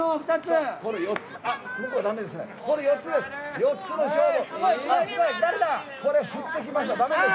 ４つの勝負。